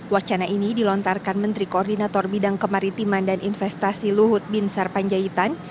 wacana ini dilontarkan menteri koordinator bidang kemaritiman dan investasi luhut bin sarpanjaitan